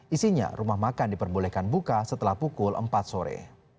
isinya rumah makan diperbolehkan buka setelah pukul empat sore